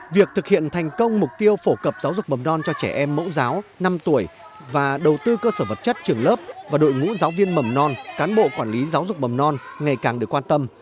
việc thực hiện thành công mục tiêu phổ cập giáo dục mầm non cho trẻ em mẫu giáo năm tuổi và đầu tư cơ sở vật chất trường lớp và đội ngũ giáo viên mầm non cán bộ quản lý giáo dục mầm non ngày càng được quan tâm